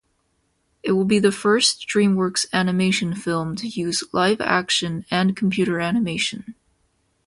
It will be the first DreamWorks Animation film to use live-action and computer-animation.